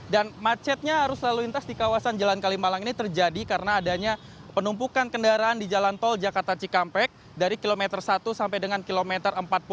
dan macetnya arus lalu lintas di kawasan jalan kalimalang ini terjadi karena adanya penumpukan kendaraan di jalan tol jakarta cikampek dari kilometer satu sampai dengan kilometer empat puluh